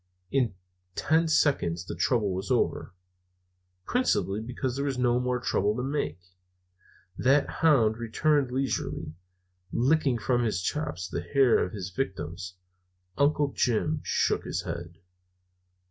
In ten seconds the trouble was over, principally because there was no more trouble to make. The hound returned leisurely, licking from his chops the hair of his victims. Uncle Jim shook his head.